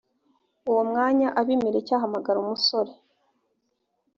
uwo mwanya abimeleki ahamagara umusore